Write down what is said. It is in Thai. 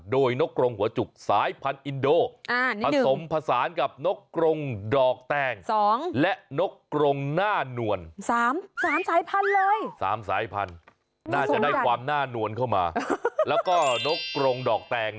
โดยนกกรงหัวจุกสายพันธุ์อินโด